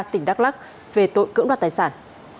tỉnh đắk lắk về tội cưỡng đoạt tài sản